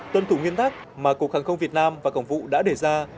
tuân thủ nguyên tắc mà cục hàng không việt nam và cổng vụ đã đề ra